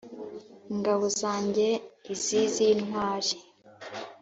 “ Ingabo zanjye izi z`intwari